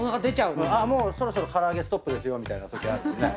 そろそろ唐揚げストップですよみたいなときあるもんね。